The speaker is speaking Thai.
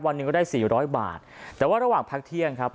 วันนึงก็ได้๔๐๐บาทแต่ว่าระหว่างพักเที่ยงครับ